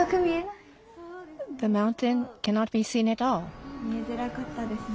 ちょっと見えづらかったですね。